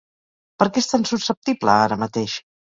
Per què és tan susceptible ara mateix?